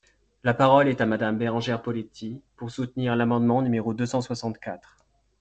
La parole est à Madame Bérengère Poletti, pour soutenir l’amendement numéro deux cent soixante-quatre.